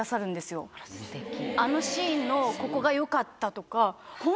あのシーンのここがよかったとか。